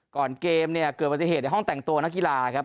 ก่อนเกมเนี่ยเกิดปฏิเหตุในห้องแต่งตัวนักกีฬาครับ